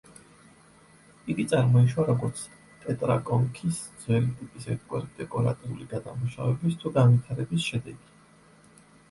იგი წარმოიშვა როგორც ტეტრაკონქის ძველი ტიპის ერთგვარი დეკორატიული გადამუშავების თუ განვითარების შედეგი.